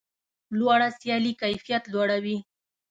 لوړه سیالي کیفیت لوړوي.